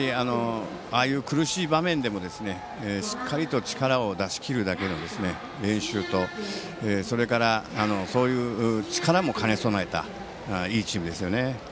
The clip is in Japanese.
ああいう苦しい場面でもしっかりと力を出し切るだけの練習とそういう力も兼ね備えたいいチームでしたよね。